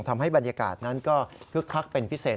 ทำให้บรรยากาศนั้นก็คึกคักเป็นพิเศษ